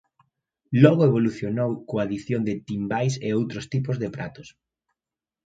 Logo evolucionou coa adición de timbais e outros tipos de pratos.